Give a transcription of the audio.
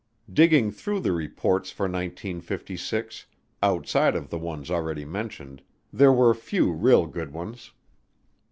Digging through the reports for 1956, outside of the ones already mentioned, there were few real good ones.